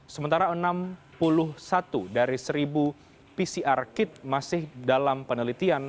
sementara enam puluh satu dari seribu pcr kit masih dalam penelitian